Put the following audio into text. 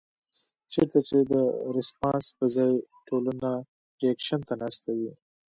چرته چې د رسپانس پۀ ځائے ټولنه رېکشن ته ناسته وي